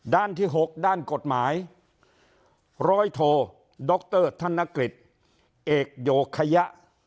ด้านที่๖ด้านกฎหมายร้อยโทดรธนกฤษเอกโยคยะ